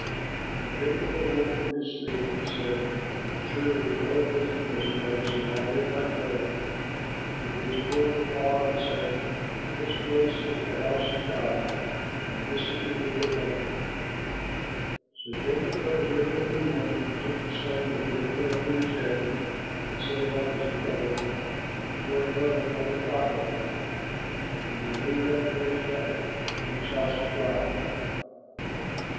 When Jacob awoke from his sleep, he said, "Surely Jehovah is in this place, and I did not know it." And he was filled with awe and said, "This place is the house of God, and this is the gate of heaven." So Jacob rose early in the morning and took the stone that he had put under his head and set it up as a pillar and poured oil upon the top of it. And he named that place Bethel, which means House of God.